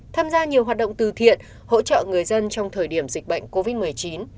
tham gia nhiều hoạt động từ thiện hỗ trợ người dân trong thời điểm dịch bệnh covid một mươi chín